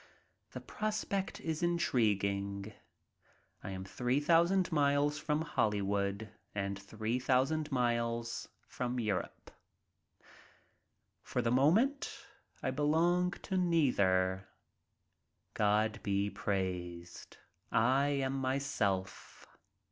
The prospect is intriguing. I am three thousand miles from Hollywood and three thousand miles from Europe. For the moment I belong to neither. God be praised, I am myself.